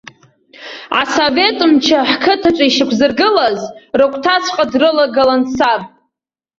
Асовет мчы ҳқыҭаҿы ишьақәзыргылаз рыгәҭаҵәҟьа дрылагылан саб.